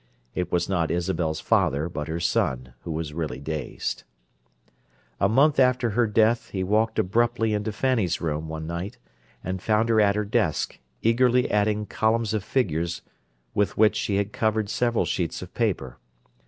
It was not Isabel's father but her son who was really dazed. A month after her death he walked abruptly into Fanny's room, one night, and found her at her desk, eagerly adding columns of figures with which she had covered several sheets of paper.